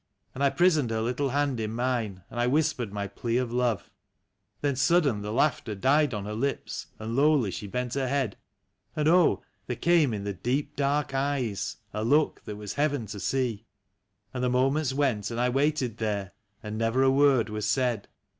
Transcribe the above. And I prisoned her little hand in mine, and I whis pered my plea of love. NEW TEARS EVE. 11 Then sudden the laughter died on her lips, and lowly she bent her head; And oh, there came in the deep, dark eyes a look that was heaven to see; And the moments went, and I waited there, and never a word was said.